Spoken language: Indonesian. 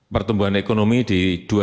pertumbuhan ekonomi di dua ribu dua puluh